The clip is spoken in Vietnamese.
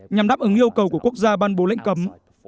nhằm đáp ứng yêu cầu của quốc gia ban bố lệnh cấm